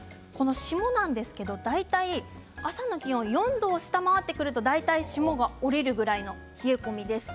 霜なんですが大体朝の気温４度を下回ってくると霜が降りるくらいの冷え込みです。